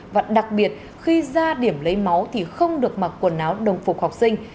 và đặc biệt khi ra điểm lấy máu thì không được mặc quần áo đồng phục học sinh